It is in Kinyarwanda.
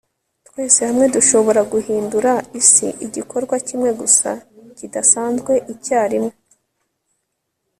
twese hamwe dushobora guhindura isi, igikorwa kimwe gusa kidasanzwe icyarimwe